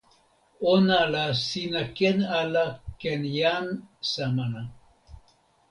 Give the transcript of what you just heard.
ona la sina ken ala ken jan Samana.